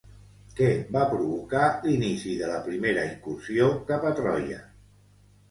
Què va provocar l'inici de la primera incursió cap a Troia?